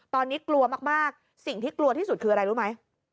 ตอนนี้กลัวมากสิ่งที่กลัวที่สุดคืออะไรรู้ไหม